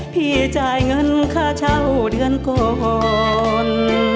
จ่ายเงินค่าเช่าเดือนก่อน